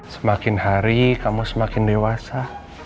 semakin hari kamu semakin dewasa